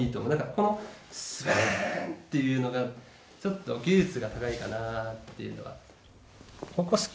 このスバンっていうのがちょっと技術が高いかなっていうのが。